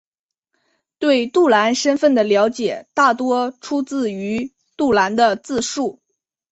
对杜兰身份的了解大多出自于杜兰的自述。